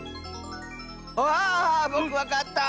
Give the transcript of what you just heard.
あぼくわかった！